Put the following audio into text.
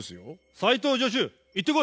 斉藤助手行ってこい！